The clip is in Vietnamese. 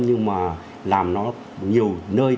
nhưng mà làm nó nhiều nơi